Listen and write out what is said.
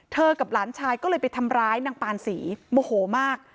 กับหลานชายก็เลยไปทำร้ายนางปานศรีโมโหมาก